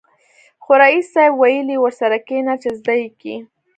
خو ريس صيب ويلې ورسره کېنه چې زده يې کې.